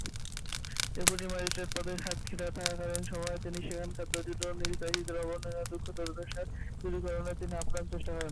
Deputy magistrate পদে সাতক্ষীরায় থাকাকালীন সময়ে তিনি সেখানকার দরিদ্র নীল চাষীদের অবর্ণনীয় দুঃখ দুর্দশা দূরীকরণে তিনি আপ্রাণ চেষ্টা করেন।